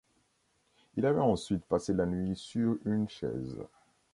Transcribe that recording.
Il avait ensuite passé la nuit sur une chaise.